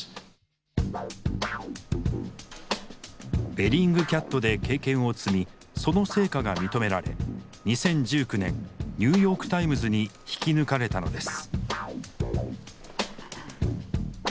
ベリングキャットで経験を積みその成果が認められ２０１９年ニューヨーク・タイムズに引き抜かれたのです。